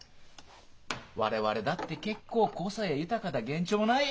我々だって結構個性豊かだげんちょもない！